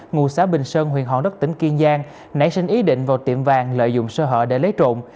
ngu xá bình sơn huyện hòn đất tỉnh kiên giang nảy sinh ý định vào tiệm vàng lợi dụng sơ hợi để lấy trộm